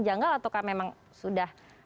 janggal atau memang sudah